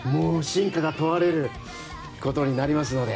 真価が問われることになりますので。